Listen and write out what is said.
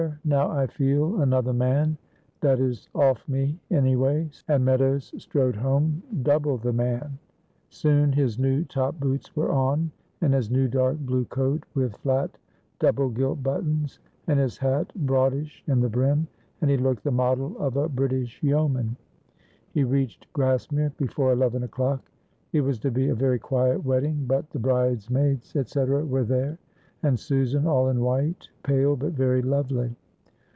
now I feel another man, that is off me anyway," and Meadows strode home double the man. Soon his new top boots were on, and his new dark blue coat with flat double gilt buttons, and his hat broadish in the brim, and he looked the model of a British yeoman; he reached Grassmere before eleven o'clock. It was to be a very quiet wedding, but the bridesmaids, etc., were there, and Susan all in white, pale but very lovely.